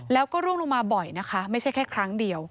แล้วก็ร่วงลงมาบ่อยนะคะไม่ใช่แค่ครั้งเดียว